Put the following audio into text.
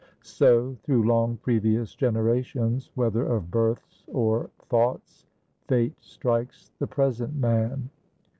So, through long previous generations, whether of births or thoughts, Fate strikes the present man.